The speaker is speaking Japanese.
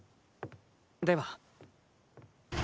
では。